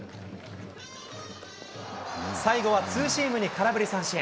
最後はツーシームに空振り三振。